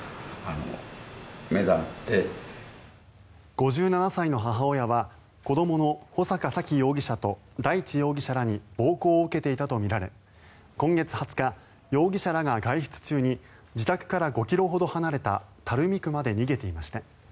５７歳の母親は、子どもの穂坂沙喜容疑者と大地容疑者らに暴行を受けていたとみられ今月２０日容疑者らが外出中に自宅から５ｋｍほど離れた垂水区まで逃げていました。